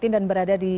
dan berada di